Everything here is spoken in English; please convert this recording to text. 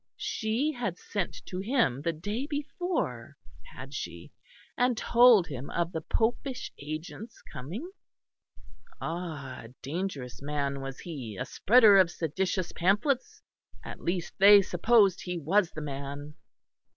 She had sent to him the day before, had she, and told him of the popish agent's coming? Ah! A dangerous man was he, a spreader of seditious pamphlets? At least they supposed he was the man.